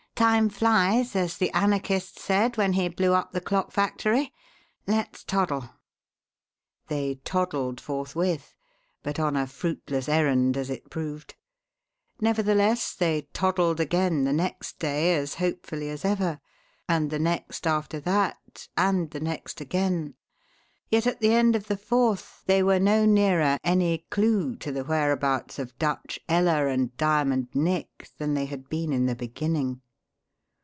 'Time flies,' as the anarchist said when he blew up the clock factory. Let's toddle." They "toddled" forthwith, but on a fruitless errand, as it proved. Nevertheless, they "toddled" again the next day as hopefully as ever; and the next after that, and the next again, yet at the end of the fourth they were no nearer any clue to the whereabouts of Dutch Ella and Diamond Nick than they had been in the beginning.